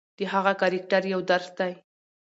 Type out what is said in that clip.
د هغه کرکټر یو درس دی.